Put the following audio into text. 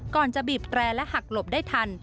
จะบีบแตรและหักหลบได้ทัน